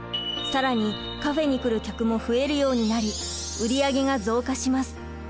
更にカフェに来る客も増えるようになり売り上げが増加します。